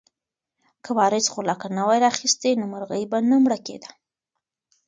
که وارث غولکه نه وای راخیستې نو مرغۍ به نه مړه کېده.